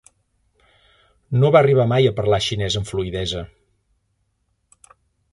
No va arribar mai a parlar xinès amb fluïdesa.